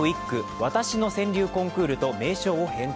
わたしの川柳コンクール」と名称を変更。